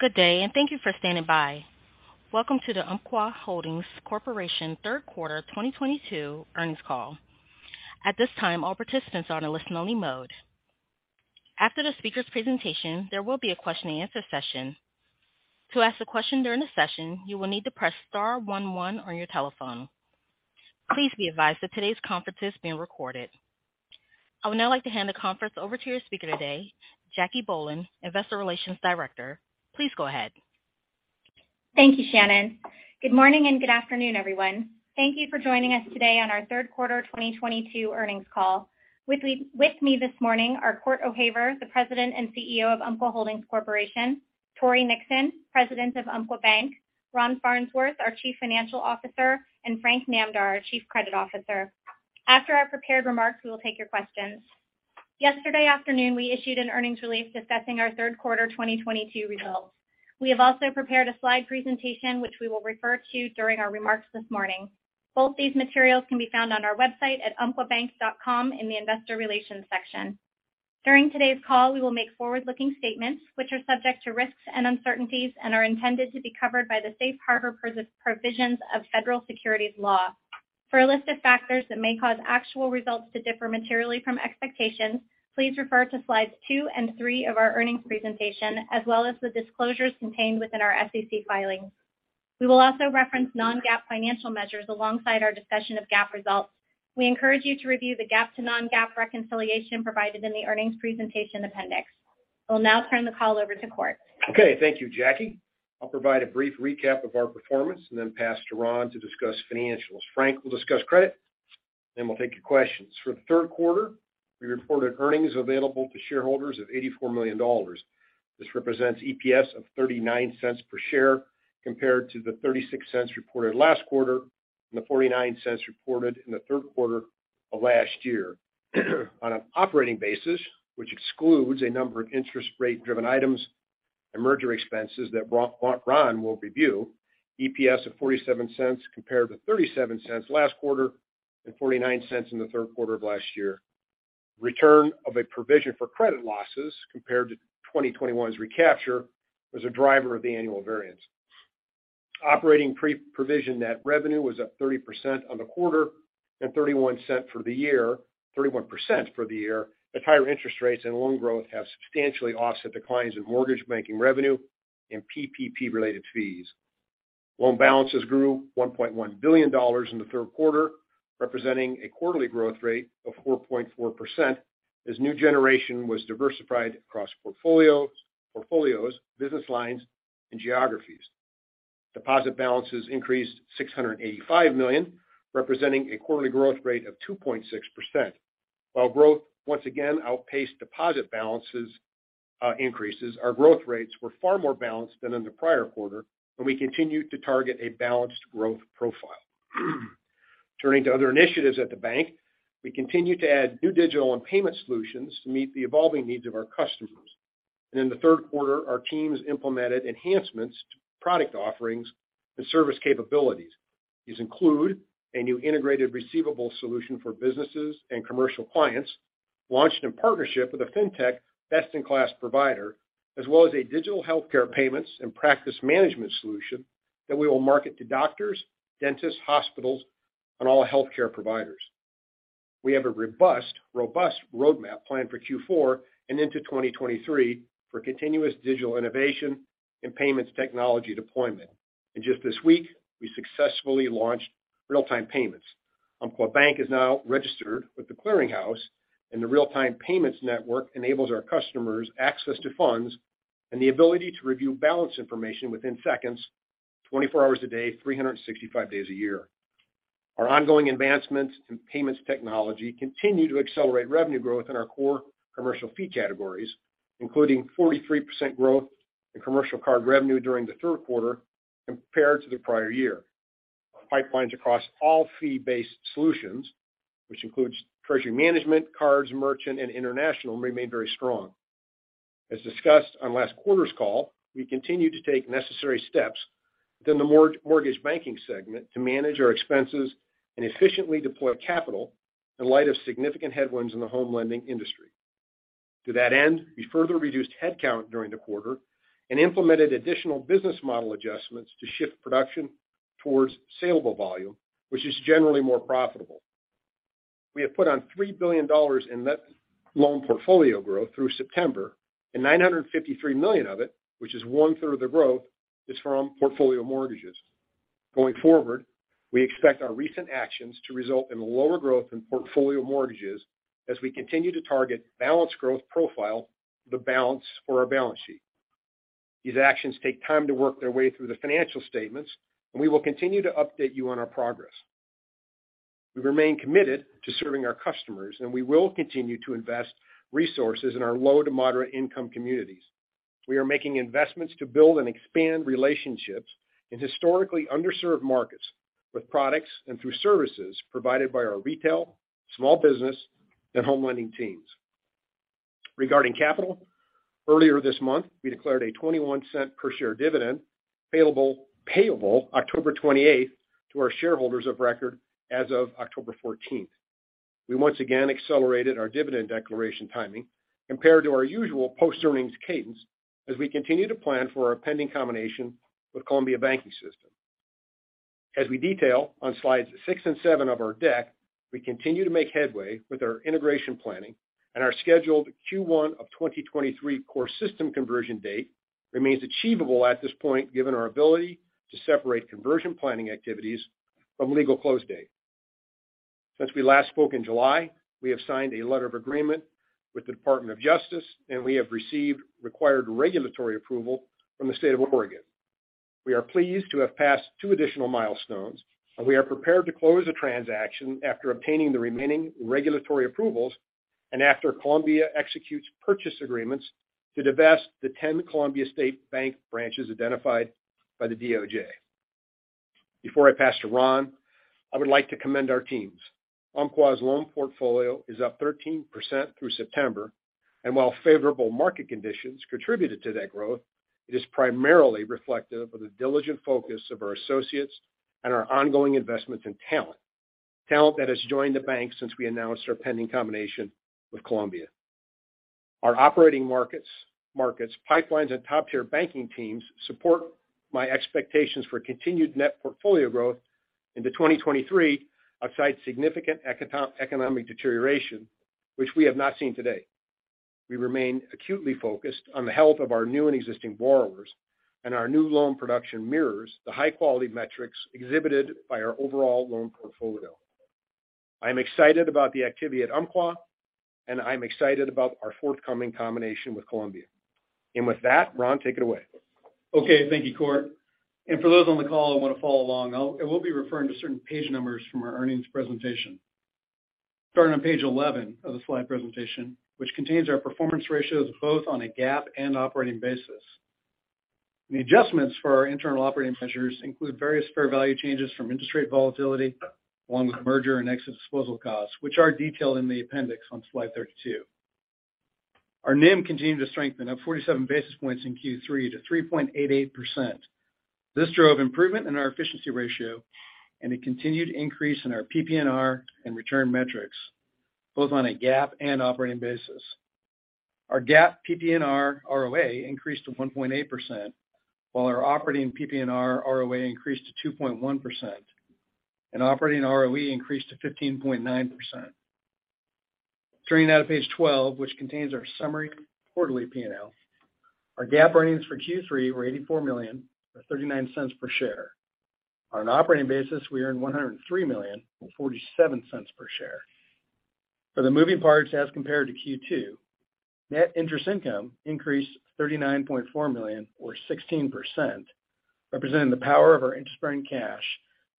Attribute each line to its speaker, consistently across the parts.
Speaker 1: Good day, and thank you for standing by. Welcome to the Umpqua Holdings Corporation Third Quarter 2022 Earnings Call. At this time, all participants are in listen-only mode. After the speaker's presentation, there will be a question-and-answer session. To ask a question during the session, you will need to press star one one on your telephone. Please be advised that today's conference is being recorded. I would now like to hand the conference over to your speaker today, Jacquelynne Bohlen, Investor Relations Director. Please go ahead.
Speaker 2: Thank you, Shannon. Good morning and good afternoon, everyone. Thank you for joining us today on our third quarter 2022 earnings call. With me this morning are Cort O'Haver, the President and CEO of Umpqua Holdings Corporation, Tory Nixon, President of Umpqua Bank, Ron Farnsworth, our Chief Financial Officer, and Frank Namdar, our Chief Credit Officer. After our prepared remarks, we will take your questions. Yesterday afternoon, we issued an earnings release discussing our third quarter 2022 results. We have also prepared a slide presentation which we will refer to during our remarks this morning. Both these materials can be found on our website at umpquabank.com in the Investor Relations section. During today's call, we will make forward-looking statements which are subject to risks and uncertainties and are intended to be covered by the safe harbor provisions of federal securities law. For a list of factors that may cause actual results to differ materially from expectations, please refer to slides 2 and 3 of our earnings presentation as well as the disclosures contained within our SEC filings. We will also reference non-GAAP financial measures alongside our discussion of GAAP results. We encourage you to review the GAAP to non-GAAP reconciliation provided in the earnings presentation appendix. I will now turn the call over to Cort.
Speaker 3: Okay. Thank you, Jackie. I'll provide a brief recap of our performance and then pass to Ron to discuss financials. Frank will discuss credit, then we'll take your questions. For the third quarter, we reported earnings available to shareholders of $84 million. This represents EPS of $0.39 per share compared to the $0.36 reported last quarter and the $0.49 reported in the third quarter of last year. On an operating basis, which excludes a number of interest rate-driven items and merger expenses that Ron will review, EPS of $0.47 compared to $0.37 last quarter and $0.49 in the third quarter of last year. Return to a provision for credit losses compared to 2021's recapture was a driver of the annual variance. Operating pre-provision net revenue was up 30% on the quarter and 31% for the year as higher interest rates and loan growth have substantially offset declines in mortgage banking revenue and PPP related fees. Loan balances grew $1.1 billion in the third quarter, representing a quarterly growth rate of 4.4% as new origination was diversified across portfolios, business lines, and geographies. Deposit balances increased $685 million, representing a quarterly growth rate of 2.6%. While growth once again outpaced deposit balance increases, our growth rates were far more balanced than in the prior quarter, and we continued to target a balanced growth profile. Turning to other initiatives at the bank, we continued to add new digital and payment solutions to meet the evolving needs of our customers. In the third quarter, our teams implemented enhancements to product offerings and service capabilities. These include a new integrated receivable solution for businesses and commercial clients, launched in partnership with a fintech best-in-class provider, as well as a digital healthcare payments and practice management solution that we will market to doctors, dentists, hospitals, and all healthcare providers. We have a robust roadmap planned for Q4 and into 2023 for continuous digital innovation and payments technology deployment. Just this week, we successfully launched real-time payments. Umpqua Bank is now registered with The Clearing House, and the real-time payments network enables our customers access to funds and the ability to review balance information within seconds, 24 hours a day, 365 days a year. Our ongoing advancements in payments technology continue to accelerate revenue growth in our core commercial fee categories, including 43% growth in commercial card revenue during the third quarter compared to the prior year. Pipelines across all fee-based solutions, which includes treasury management, cards, merchant, and international, remain very strong. As discussed on last quarter's call, we continue to take necessary steps within the mortgage banking segment to manage our expenses and efficiently deploy capital in light of significant headwinds in the home lending industry. To that end, we further reduced headcount during the quarter and implemented additional business model adjustments to shift production towards saleable volume, which is generally more profitable. We have put on $3 billion in net loan portfolio growth through September, and $953 million of it, which is one-third of the growth, is from portfolio mortgages. Going forward, we expect our recent actions to result in lower growth in portfolio mortgages as we continue to target balanced growth profile for the balance sheet. These actions take time to work their way through the financial statements, and we will continue to update you on our progress. We remain committed to serving our customers, and we will continue to invest resources in our low to moderate income communities. We are making investments to build and expand relationships in historically underserved markets with products and through services provided by our retail, small business, and home lending teams. Regarding capital, earlier this month, we declared a $0.21 per share dividend, payable October 28th to our shareholders of record as of October 14th. We once again accelerated our dividend declaration timing compared to our usual post-earnings cadence as we continue to plan for our pending combination with Columbia Banking System. As we detail on slides 6 and 7 of our deck, we continue to make headway with our integration planning and our scheduled Q1 of 2023 core system conversion date remains achievable at this point, given our ability to separate conversion planning activities from legal close date. Since we last spoke in July, we have signed a letter of agreement with the Department of Justice, and we have received required regulatory approval from the state of Oregon. We are pleased to have passed two additional milestones, and we are prepared to close the transaction after obtaining the remaining regulatory approvals and after Columbia executes purchase agreements to divest the 10 Columbia State Bank branches identified by the DOJ. Before I pass to Ron, I would like to commend our teams. Umpqua's loan portfolio is up 13% through September, and while favorable market conditions contributed to that growth, it is primarily reflective of the diligent focus of our associates and our ongoing investments in talent that has joined the bank since we announced our pending combination with Columbia. Our operating markets, market pipelines and top-tier banking teams support my expectations for continued net portfolio growth into 2023, absent significant economic deterioration, which we have not seen to date. We remain acutely focused on the health of our new and existing borrowers, and our new loan production mirrors the high-quality metrics exhibited by our overall loan portfolio. I'm excited about the activity at Umpqua, and I'm excited about our forthcoming combination with Columbia. With that, Ron, take it away.
Speaker 4: Okay. Thank you, Cort. For those on the call who want to follow along, I will be referring to certain page numbers from our earnings presentation. Starting on page 11 of the slide presentation, which contains our performance ratios both on a GAAP and operating basis. The adjustments for our internal operating measures include various fair value changes from interest rate volatility, along with merger and exit disposal costs, which are detailed in the appendix on slide 32. Our NIM continued to strengthen up 47 basis points in Q3 to 3.88%. This drove improvement in our efficiency ratio and a continued increase in our PPNR and return metrics, both on a GAAP and operating basis. Our GAAP PPNR ROA increased to 1.8%, while our operating PPNR ROA increased to 2.1%, and operating ROE increased to 15.9%. Turning now to page 12, which contains our summary quarterly P&L. Our GAAP earnings for Q3 were $84 million, or $0.39 per share. On an operating basis, we earned $103 million, or $0.47 per share. For the moving parts as compared to Q2, net interest income increased $39.4 million or 16%, representing the power of our interest-bearing cash,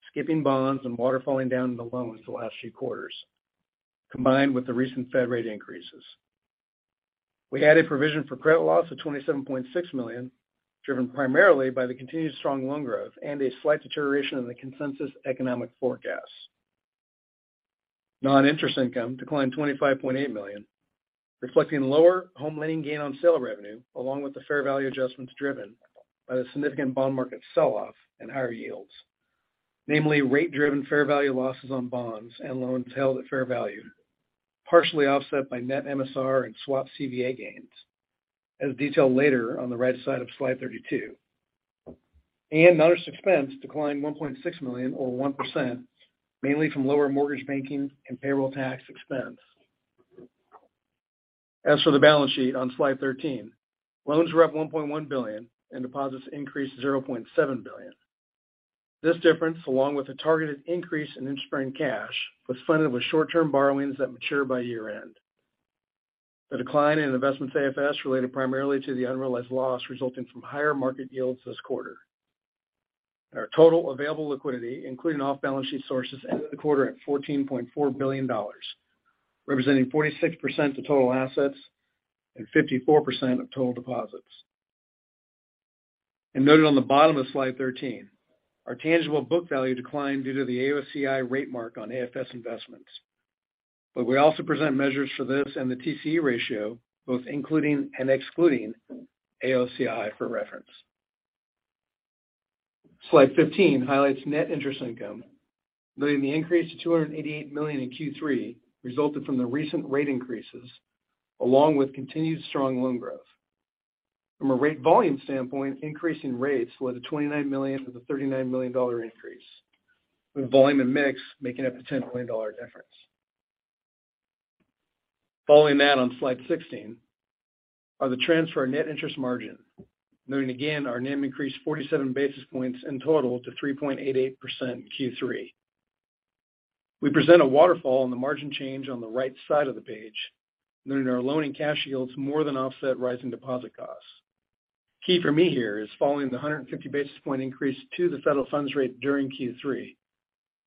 Speaker 4: skipping bonds, and waterfalling down into loans the last few quarters, combined with the recent Fed rate increases. We added provision for credit loss of $27.6 million, driven primarily by the continued strong loan growth and a slight deterioration in the consensus economic forecast. Noninterest income declined $25.8 million, reflecting lower home lending gain on sale revenue, along with the fair value adjustments driven by the significant bond market sell-off and higher yields, namely rate-driven fair value losses on bonds and loans held at fair value, partially offset by net MSR and swap CVA gains, as detailed later on the right side of slide 32. Noninterest expense declined $1.6 million or 1%, mainly from lower mortgage banking and payroll tax expense. As for the balance sheet on slide 13, loans were up $1.1 billion and deposits increased $0.7 billion. This difference, along with a targeted increase in interest-bearing cash, was funded with short-term borrowings that mature by year-end. The decline in investments AFS related primarily to the unrealized loss resulting from higher market yields this quarter. Our total available liquidity, including off-balance sheet sources, ended the quarter at $14.4 billion, representing 46% of total assets and 54% of total deposits. Noted on the bottom of slide 13, our tangible book value declined due to the AOCI rate mark on AFS investments. We also present measures for this and the TCE ratio, both including and excluding AOCI for reference. Slide 15 highlights net interest income. Noting the increase to $288 million in Q3 resulted from the recent rate increases, along with continued strong loan growth. From a rate volume standpoint, increasing rates led to $29 million-$39 million increase, with volume and mix making up the $10 million difference. Following that on slide 16 are the trends for our net interest margin. Noting again, our NIM increased 47 basis points in total to 3.88% in Q3. We present a waterfall on the margin change on the right side of the page, noting our loan and cash yields more than offset rising deposit costs. Key for me here is following the 150 basis point increase to the federal funds rate during Q3,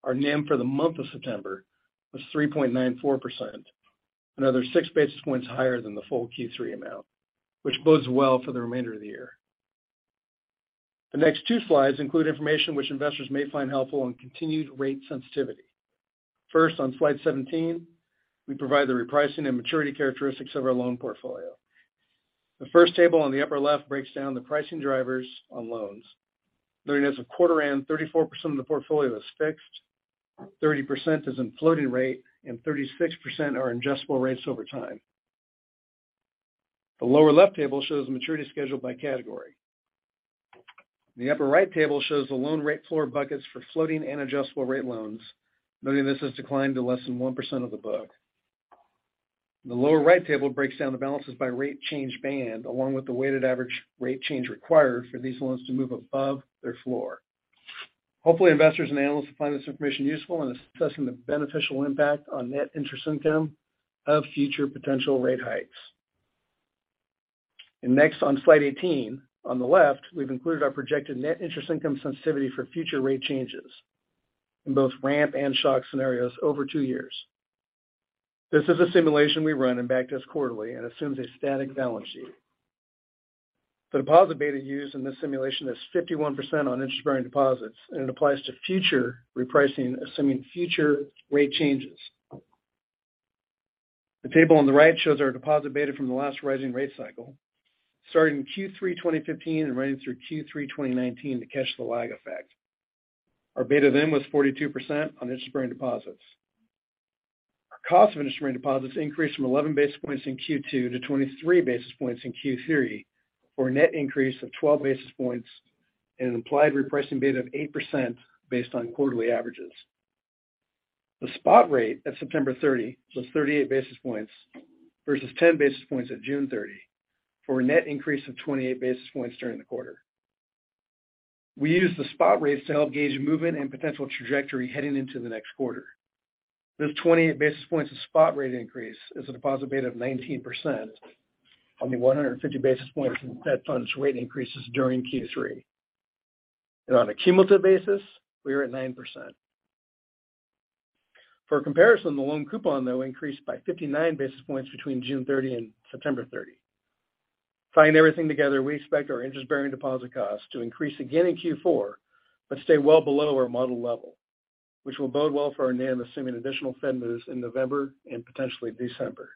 Speaker 4: our NIM for the month of September was 3.94%. Another 6 basis points higher than the full Q3 amount, which bodes well for the remainder of the year. The next two slides include information which investors may find helpful on continued rate sensitivity. First, on slide 17, we provide the repricing and maturity characteristics of our loan portfolio. The first table on the upper left breaks down the pricing drivers on loans. During this quarter end, 34% of the portfolio was fixed, 30% is in floating rate, and 36% are adjustable rates over time. The lower left table shows maturity schedule by category. The upper right table shows the loan rate floor buckets for floating and adjustable rate loans, knowing this has declined to less than 1% of the book. The lower right table breaks down the balances by rate change band, along with the weighted average rate change required for these loans to move above their floor. Hopefully, investors and analysts find this information useful in assessing the beneficial impact on net interest income of future potential rate hikes. Next on slide 18, on the left, we've included our projected net interest income sensitivity for future rate changes in both ramp and shock scenarios over 2 years. This is a simulation we run and backtest quarterly and assumes a static balance sheet. The deposit beta used in this simulation is 51% on interest-bearing deposits, and it applies to future repricing, assuming future rate changes. The table on the right shows our deposit beta from the last rising rate cycle, starting Q3 2015 and running through Q3 2019 to catch the lag effect. Our beta then was 42% on interest-bearing deposits. Our cost of interest-bearing deposits increased from 11 basis points in Q2 to 23 basis points in Q3, for a net increase of 12 basis points and an implied repricing beta of 8% based on quarterly averages. The spot rate at September 30 was 38 basis points versus 10 basis points at June 30 for a net increase of 28 basis points during the quarter. We use the spot rates to help gauge movement and potential trajectory heading into the next quarter. This 28 basis points of spot rate increase is a deposit beta of 19% on the 100 basis points in Fed funds rate increases during Q3. On a cumulative basis, we are at 9%. For comparison, the loan coupon, though, increased by 59 basis points between June 30 and September 30. Tying everything together, we expect our interest-bearing deposit costs to increase again in Q4, but stay well below our model level, which will bode well for our NIM assuming additional Fed moves in November and potentially December.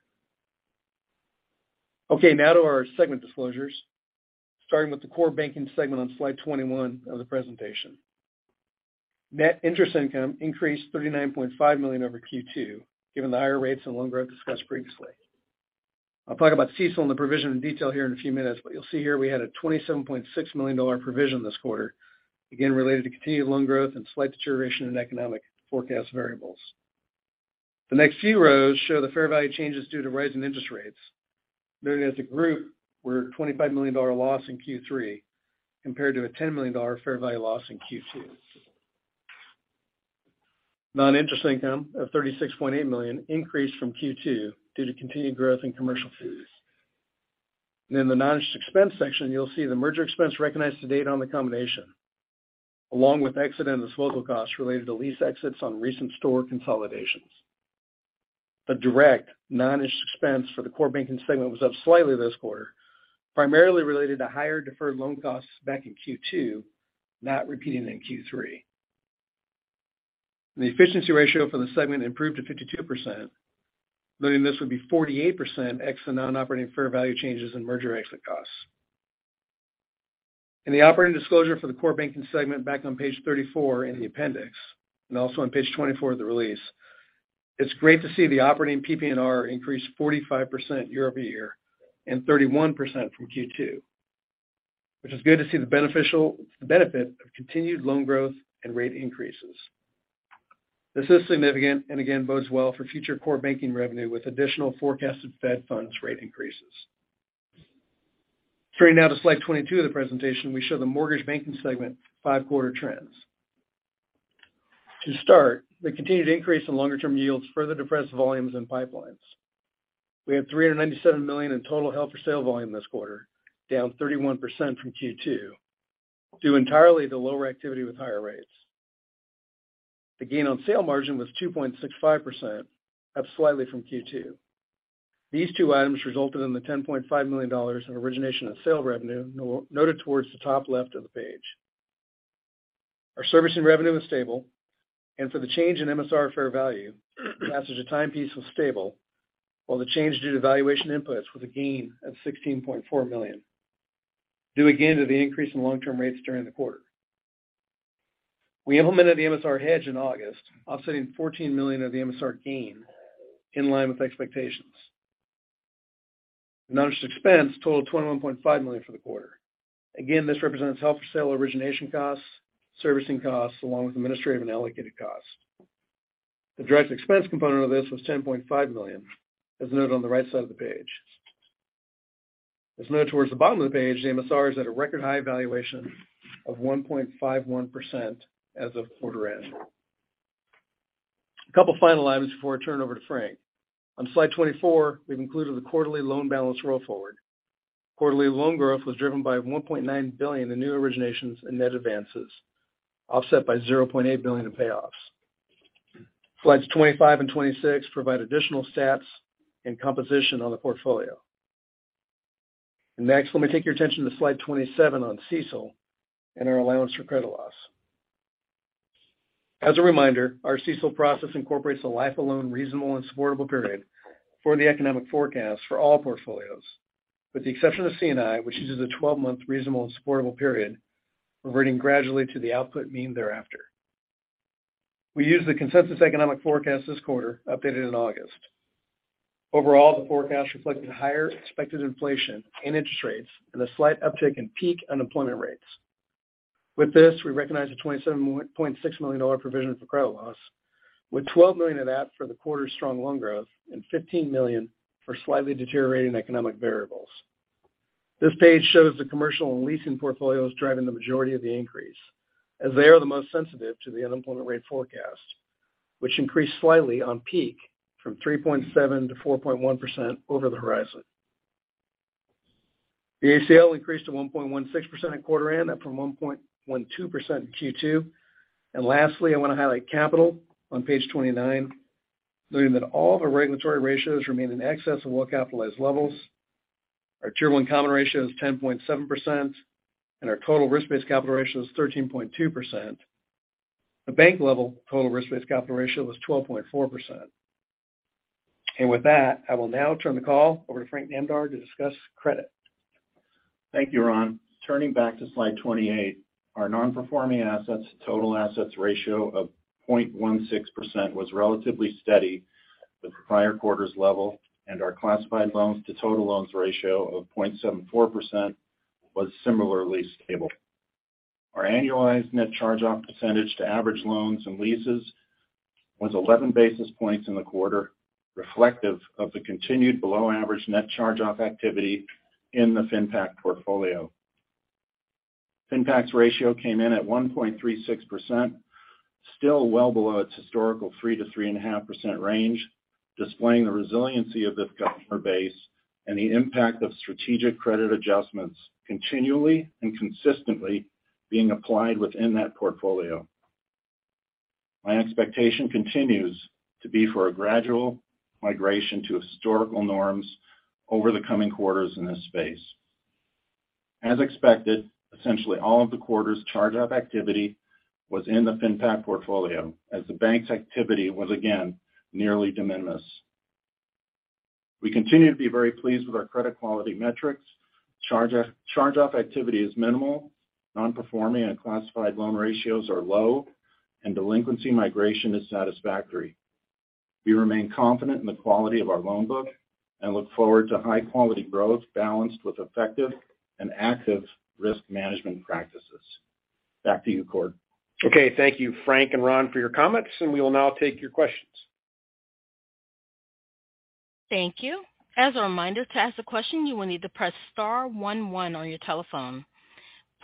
Speaker 4: Okay, now to our segment disclosures, starting with the core banking segment on slide 21 of the presentation. Net interest income increased $39.5 million over Q2, given the higher rates and loan growth discussed previously. I'll talk about CECL and the provision in detail here in a few minutes, but you'll see here we had a $27.6 million provision this quarter, again, related to continued loan growth and slight deterioration in economic forecast variables. The next few rows show the fair value changes due to rising interest rates. Derivatives as a group, we're at a $25 million loss in Q3 compared to a $10 million fair value loss in Q2. Non-interest income of $36.8 million increased from Q2 due to continued growth in commercial fees. The non-interest expense section, you'll see the merger expense recognized to date on the combination, along with exit and disposal costs related to lease exits on recent store consolidations. The direct non-interest expense for the core banking segment was up slightly this quarter, primarily related to higher deferred loan costs back in Q2, not repeating in Q3. The efficiency ratio for the segment improved to 52%, noting this would be 48% ex the non-operating fair value changes in merger exit costs. In the operating disclosure for the core banking segment back on page 34 in the appendix, and also on page 24 of the release, it's great to see the operating PPNR increase 45% year over year and 31% from Q2, which is good to see the benefit of continued loan growth and rate increases. This is significant and again, bodes well for future core banking revenue with additional forecasted Fed funds rate increases. Turning now to slide 22 of the presentation, we show the mortgage banking segment 5-quarter trends. To start, the continued increase in longer-term yields further depressed volumes and pipelines. We have $397 million in total held for sale volume this quarter, down 31% from Q2, due entirely to lower activity with higher rates. The gain on sale margin was 2.65%, up slightly from Q2. These two items resulted in the $10.5 million in origination and sale revenue noted towards the top left of the page. Our servicing revenue was stable, and for the change in MSR fair value, passage of time piece was stable, while the change due to valuation inputs was a gain of $16.4 million, due again to the increase in long-term rates during the quarter. We implemented the MSR hedge in August, offsetting $14 million of the MSR gain in line with expectations. Non-interest expense totaled $21.5 million for the quarter. This represents held for sale origination costs, servicing costs along with administrative and allocated costs. The direct expense component of this was $10.5 million, as noted on the right side of the page. As noted towards the bottom of the page, the MSR is at a record high valuation of 1.51% as of quarter end. A couple final items before I turn over to Frank. On slide 24, we've included the quarterly loan balance roll forward. Quarterly loan growth was driven by $1.9 billion in new originations and net advances, offset by $0.8 billion in payoffs. Slides 25 and 26 provide additional stats and composition on the portfolio. Next, let me take your attention to slide 27 on CECL and our allowance for credit loss. As a reminder, our CECL process incorporates a lifetime reasonable and supportable period for the economic forecast for all portfolios, with the exception of C&I, which uses a 12-month reasonable and supportable period, reverting gradually to the historical mean thereafter. We use the consensus economic forecast this quarter updated in August. Overall, the forecast reflected higher expected inflation and interest rates and a slight uptick in peak unemployment rates. With this, we recognize the $27.6 million provision for credit loss, with $12 million of that for the quarter's strong loan growth and $15 million for slightly deteriorating economic variables. This page shows the commercial and leasing portfolios driving the majority of the increase as they are the most sensitive to the unemployment rate forecast, which increased slightly on peak from 3.7-4.1% over the horizon. The ACL increased to 1.16% at quarter end up from 1.12% in Q2. Lastly, I want to highlight capital on page 29, noting that all of our regulatory ratios remain in excess of well-capitalized levels. Our Tier 1 common ratio is 10.7%, and our total risk-based capital ratio is 13.2%. The bank level total risk-based capital ratio was 12.4%. With that, I will now turn the call over to Frank Namdar to discuss credit.
Speaker 5: Thank you, Ron. Turning back to slide 28. Our non-performing assets total assets ratio of 0.16% was relatively steady with prior quarter's level, and our classified loans to total loans ratio of 0.74% was similarly stable. Our annualized net charge-off percentage to average loans and leases was 11 basis points in the quarter, reflective of the continued below average net charge-off activity in the FinPac portfolio. FinPac's ratio came in at 1.36%, still well below its historical 3%-3.5% range, displaying the resiliency of this customer base and the impact of strategic credit adjustments continually and consistently being applied within that portfolio. My expectation continues to be for a gradual migration to historical norms over the coming quarters in this space. As expected, essentially all of the quarter's charge-off activity was in the FinPac portfolio as the bank's activity was again nearly de minimis. We continue to be very pleased with our credit quality metrics. Charge-off activity is minimal. Non-performing and classified loan ratios are low, and delinquency migration is satisfactory. We remain confident in the quality of our loan book and look forward to high quality growth balanced with effective and active risk management practices. Back to you, Cort.
Speaker 3: Okay. Thank you, Frank and Ron, for your comments, and we will now take your questions.
Speaker 1: Thank you. As a reminder, to ask a question, you will need to press star one one on your telephone.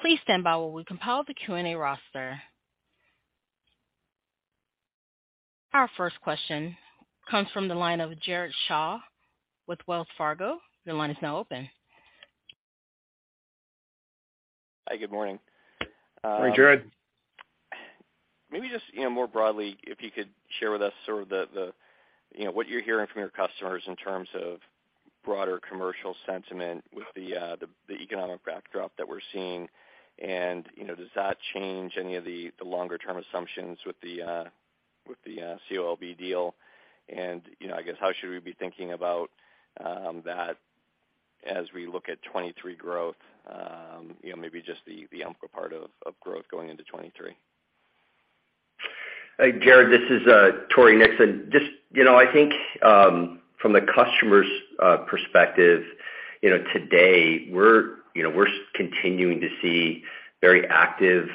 Speaker 1: Please stand by while we compile the Q&A roster. Our first question comes from the line of Jared Shaw with Wells Fargo. Your line is now open.
Speaker 6: Hi, good morning.
Speaker 3: Hi, Jared.
Speaker 6: Maybe just, you know, more broadly, if you could share with us sort of the, you know, what you're hearing from your customers in terms of broader commercial sentiment with the economic backdrop that we're seeing. You know, does that change any of the longer-term assumptions with the COLB deal? You know, I guess, how should we be thinking about that as we look at 2023 growth, you know, maybe just the Umqua part of growth going into 2023?
Speaker 7: Hey, Jared, this is Tory Nixon. Just, you know, I think from the customer's perspective, you know, today we're, you know, we're continuing to see very active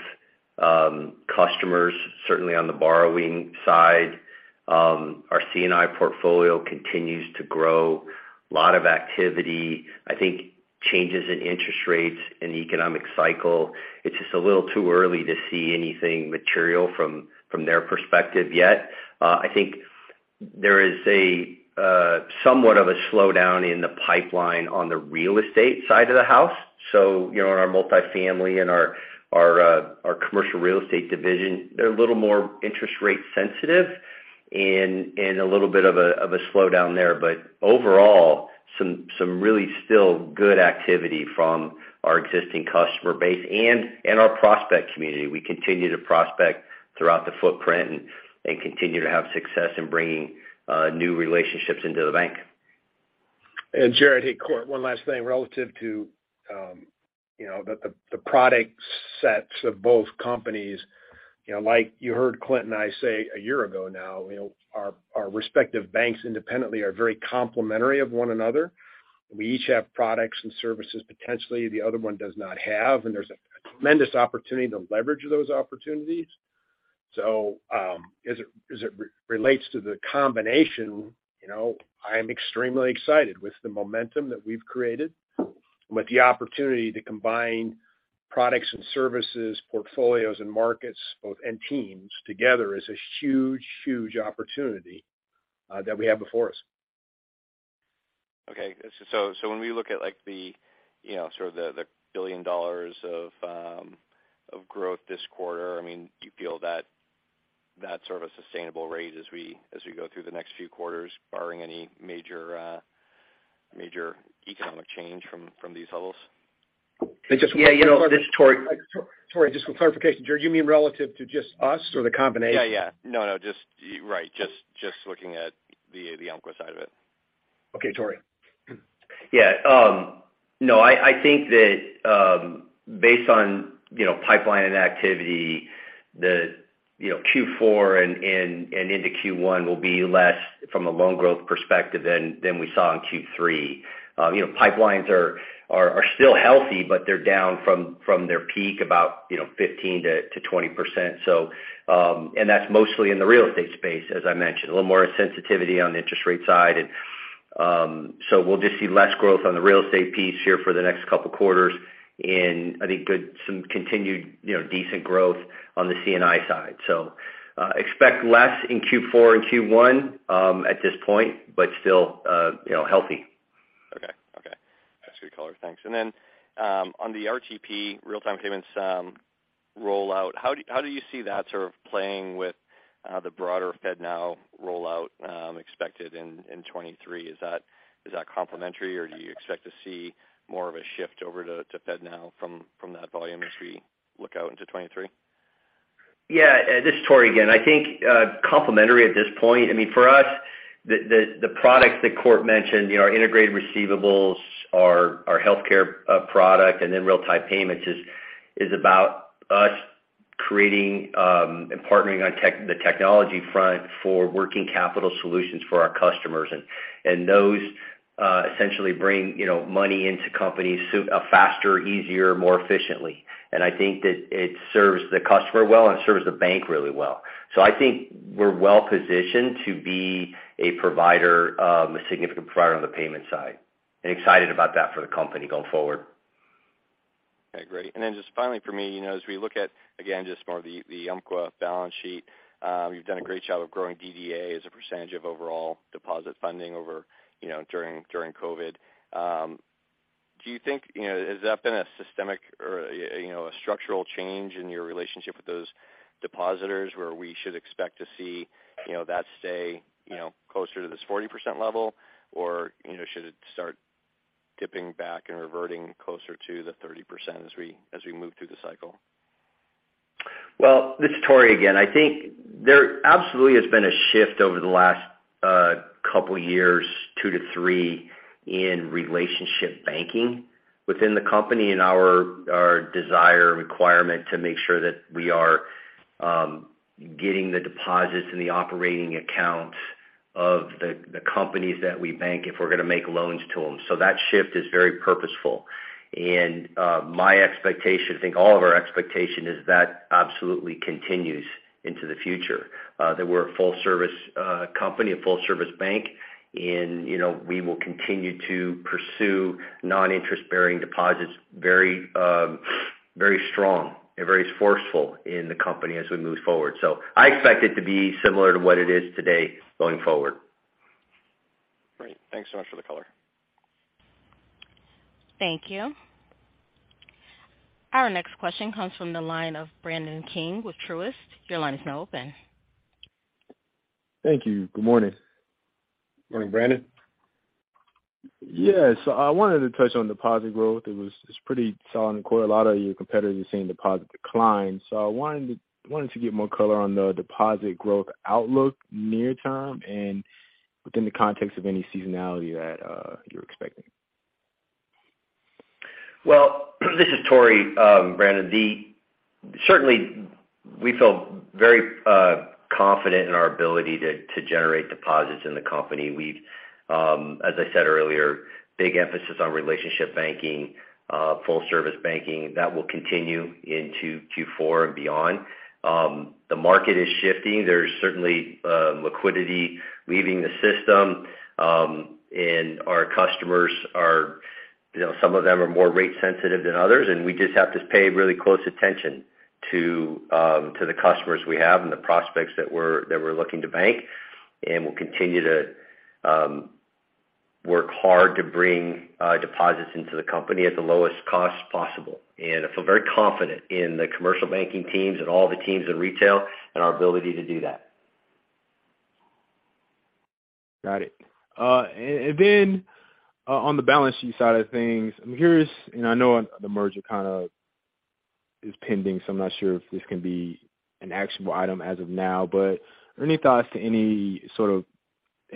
Speaker 7: customers, certainly on the borrowing side. Our C&I portfolio continues to grow, a lot of activity. I think changes in interest rates and the economic cycle, it's just a little too early to see anything material from their perspective yet. I think there is somewhat of a slowdown in the pipeline on the real estate side of the house. You know, in our multifamily and our commercial real estate division, they're a little more interest rate sensitive and a little bit of a slowdown there. Overall, some really still good activity from our existing customer base and our prospect community. We continue to prospect throughout the footprint and continue to have success in bringing new relationships into the bank.
Speaker 3: Jared, hey, Cort, one last thing relative to, you know, the product sets of both companies. You know, like you heard Clint and I say a year ago now, you know, our respective banks independently are very complementary of one another. We each have products and services potentially the other one does not have, and there's a tremendous opportunity to leverage those opportunities. As it relates to the combination, you know, I'm extremely excited with the momentum that we've created. With the opportunity to combine products and services, portfolios and markets both, and teams together is a huge, huge opportunity that we have before us.
Speaker 6: When we look at the $1 billion of growth this quarter, I mean, do you feel that that's a sustainable rate as we go through the next few quarters barring any major economic change from these levels?
Speaker 7: I just want. Yeah, you know, this is Tory
Speaker 3: Tory, just for clarification, Jared, you mean relative to just us or the combination?
Speaker 6: Yeah. No. Right, just looking at the Umpqua side of it.
Speaker 3: Okay, Tory.
Speaker 7: Yeah. No, I think that based on you know pipeline and activity you know Q4 and into Q1 will be less from a loan growth perspective than we saw in Q3. You know pipelines are still healthy, but they're down from their peak about you know 15%-20%. That's mostly in the real estate space, as I mentioned, a little more sensitivity on the interest rate side. We'll just see less growth on the real estate piece here for the next couple quarters and I think some continued you know decent growth on the C&I side. Expect less in Q4 and Q1 at this point, but still you know healthy.
Speaker 6: Okay. That's a good color. Thanks. On the RTP, real-time payments rollout, how do you see that sort of playing with the broader FedNow rollout expected in 2023? Is that complementary or do you expect to see more of a shift over to FedNow from that volume as we look out into 2023?
Speaker 7: Yeah. This is Tory again. I think complementary at this point. I mean, for us the products that Cort mentioned, you know, our integrated receivables, our healthcare product and then real-time payments is about us creating and partnering on tech, the technology front for working capital solutions for our customers. Those essentially bring, you know, money into companies faster, easier, more efficiently. I think that it serves the customer well and serves the bank really well. I think we're well positioned to be a provider, a significant provider on the payment side and excited about that for the company going forward.
Speaker 6: Okay, great. Just finally for me, you know, as we look at, again, just more of the Umpqua balance sheet, you've done a great job of growing DDA as a percentage of overall deposit funding over, you know, during COVID. Do you think, you know, has that been a systemic or, you know, a structural change in your relationship with those depositors where we should expect to see, you know, that stay, you know, closer to this 40% level? Or, you know, should it start dipping back and reverting closer to the 30% as we move through the cycle?
Speaker 7: Well, this is Tory again. I think there absolutely has been a shift over the last couple years, 2-3, in relationship banking within the company and our desire and requirement to make sure that we are getting the deposits in the operating accounts of the companies that we bank if we're gonna make loans to them. That shift is very purposeful. My expectation, I think all of our expectation, is that absolutely continues into the future that we're a full service company, a full service bank. You know, we will continue to pursue non-interest bearing deposits very strong and very forceful in the company as we move forward. I expect it to be similar to what it is today going forward.
Speaker 6: Great. Thanks so much for the color.
Speaker 1: Thank you. Our next question comes from the line of Brandon King with Truist. Your line is now open.
Speaker 8: Thank you. Good morning.
Speaker 3: Morning, Brandon.
Speaker 8: Yeah. I wanted to touch on deposit growth. It's pretty solid and core. A lot of your competitors are seeing deposit decline. I wanted to get more color on the deposit growth outlook near term and within the context of any seasonality that you're expecting.
Speaker 7: Well, this is Tory, Brandon. Certainly we feel very confident in our ability to generate deposits in the company. We've, as I said earlier, big emphasis on relationship banking, full service banking. That will continue into Q4 and beyond. The market is shifting. There's certainly liquidity leaving the system. And our customers are, you know, some of them are more rate sensitive than others, and we just have to pay really close attention to the customers we have and the prospects that we're looking to bank. We'll continue to work hard to bring deposits into the company at the lowest cost possible. I feel very confident in the commercial banking teams and all the teams in retail and our ability to do that.
Speaker 8: Got it. On the balance sheet side of things, I'm curious, and I know the merger kind of is pending, so I'm not sure if this can be an actionable item as of now. Any thoughts to any sort of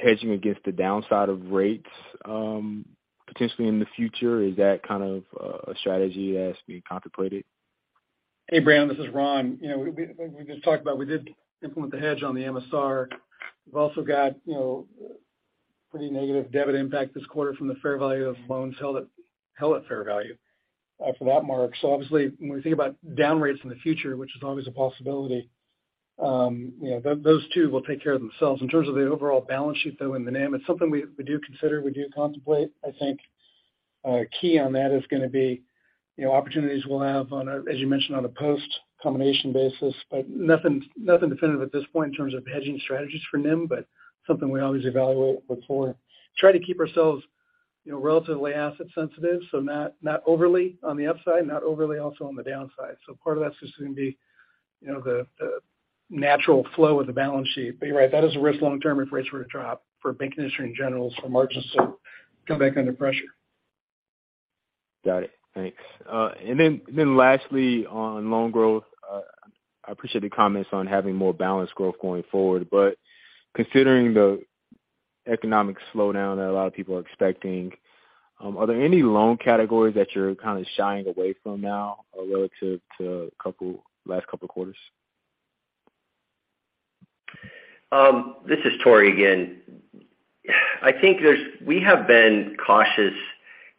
Speaker 8: hedging against the downside of rates, potentially in the future? Is that kind of a strategy that's being contemplated?
Speaker 4: Hey, Brandon, this is Ron. You know, we just talked about we did implement the hedge on the MSR. We've also got, you know, pretty negative debit impact this quarter from the fair value of loans held at fair value off of that mark. So obviously, when we think about down rates in the future, which is always a possibility, you know, those two will take care of themselves. In terms of the overall balance sheet, though, and the NIM, it's something we do consider, we do contemplate. I think key on that is gonna be, you know, opportunities we'll have, as you mentioned, on a post-combination basis. Nothing definitive at this point in terms of hedging strategies for NIM, but something we always evaluate before. Try to keep ourselves, you know, relatively asset sensitive, so not overly on the upside, not overly also on the downside. Part of that's just gonna be, you know. Natural flow of the balance sheet. You're right, that is a risk long term if rates were to drop for banking industry in general. Margins will come back under pressure.
Speaker 8: Got it. Thanks. And then lastly, on loan growth. I appreciate the comments on having more balanced growth going forward. Considering the economic slowdown that a lot of people are expecting, are there any loan categories that you're kind of shying away from now relative to last couple of quarters?
Speaker 7: This is Tory again. I think we have been cautious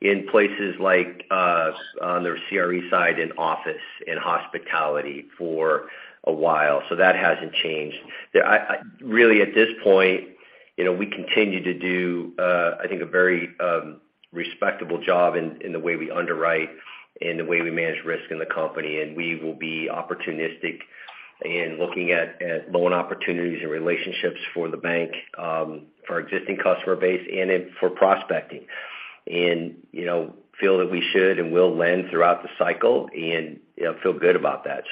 Speaker 7: in places like on the CRE side in office, in hospitality for a while, so that hasn't changed. Really at this point, you know, we continue to do I think a very respectable job in the way we underwrite and the way we manage risk in the company. We will be opportunistic in looking at loan opportunities and relationships for the bank for our existing customer base and for prospecting. You know, feel that we should and will lend throughout the cycle and, you know, feel good about that.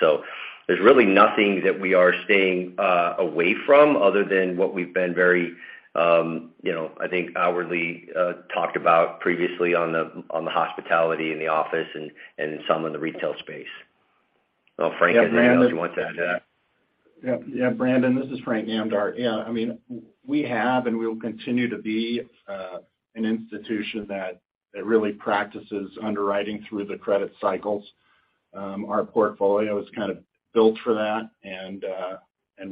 Speaker 7: There's really nothing that we are staying away from other than what we've been very, you know, I think outwardly talked about previously on the hospitality and the office and some in the retail space. Oh, Frank, is there anything else you want to add?
Speaker 5: Yeah. Yeah, Brandon, this is Frank Namdar. Yeah, I mean, we have and we will continue to be an institution that really practices underwriting through the credit cycles. Our portfolio is kind of built for that and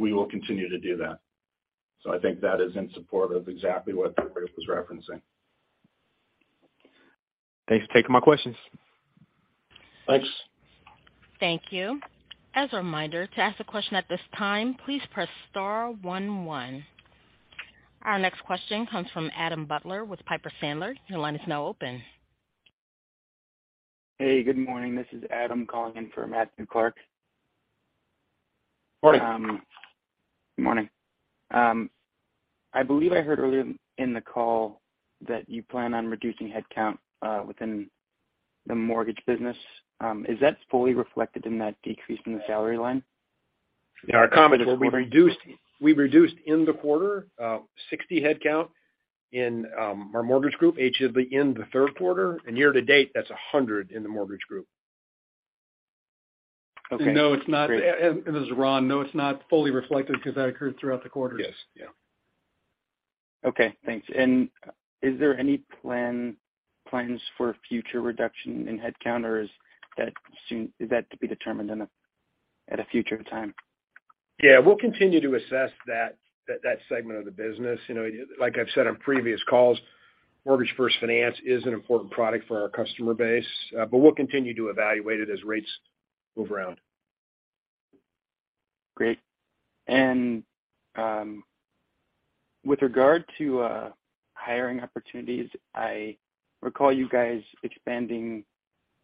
Speaker 5: we will continue to do that. I think that is in support of exactly what Tory was referencing.
Speaker 8: Thanks for taking my questions.
Speaker 5: Thanks.
Speaker 1: Thank you. As a reminder, to ask a question at this time, please press star one one. Our next question comes from Adam Butler with Piper Sandler. Your line is now open.
Speaker 9: Hey, good morning. This is Adam calling in for Matthew Clark.
Speaker 3: Morning.
Speaker 9: Good morning. I believe I heard earlier in the call that you plan on reducing headcount within the mortgage business. Is that fully reflected in that decrease in the salary line?
Speaker 4: Our comment is we reduced in the quarter 60 headcount in our mortgage group, HFS in the third quarter. Year-to-date, that's 100 in the mortgage group.
Speaker 9: Okay.
Speaker 4: No, it's not. This is Ron. No, it's not fully reflected because that occurred throughout the quarter.
Speaker 9: Yes. Yeah. Okay, thanks. Is there any plans for future reduction in headcount or is that to be determined at a future time?
Speaker 4: Yeah, we'll continue to assess that segment of the business. You know, like I've said on previous calls, Mortgage First Finance is an important product for our customer base, but we'll continue to evaluate it as rates move around.
Speaker 9: Great. With regard to hiring opportunities, I recall you guys expanding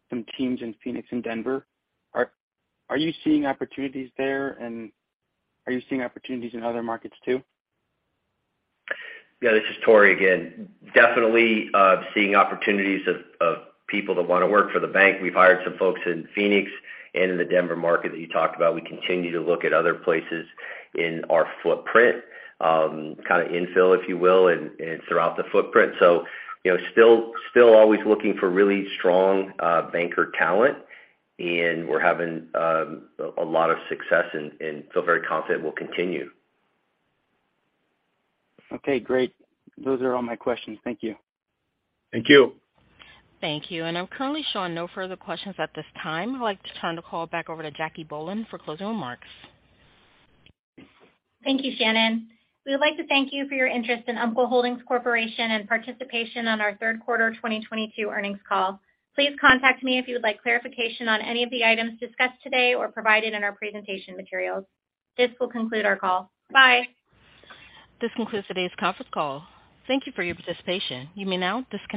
Speaker 9: some teams in Phoenix and Denver. Are you seeing opportunities there and are you seeing opportunities in other markets too?
Speaker 7: Yeah, this is Tory again. Definitely seeing opportunities of people that wanna work for the bank. We've hired some folks in Phoenix and in the Denver market that you talked about. We continue to look at other places in our footprint, kind of infill, if you will, and throughout the footprint. You know, still always looking for really strong banker talent and we're having a lot of success and feel very confident we'll continue.
Speaker 9: Okay, great. Those are all my questions. Thank you.
Speaker 4: Thank you.
Speaker 1: Thank you. I'm currently showing no further questions at this time. I'd like to turn the call back over to Jacquelynne Bohlen for closing remarks.
Speaker 2: Thank you, Shannon. We would like to thank you for your interest in Umpqua Holdings Corporation and participation on our third quarter 2022 earnings call. Please contact me if you would like clarification on any of the items discussed today or provided in our presentation materials. This will conclude our call. Bye.
Speaker 1: This concludes today's conference call. Thank you for your participation. You may now disconnect.